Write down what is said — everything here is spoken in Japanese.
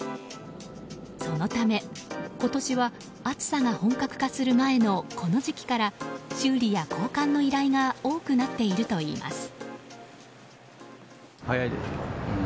そのため今年は暑さが本格化する前のこの時期から修理や交換の依頼が多くなっているといいます。